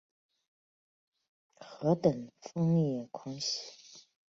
何等疯野狂喜？